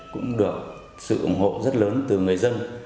cũng được sự ủng hộ rất lớn từ người dân